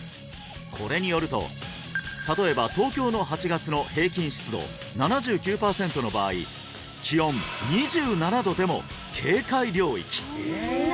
これによると例えば東京の８月の平均湿度７９パーセントの場合気温２７度でも警戒領域！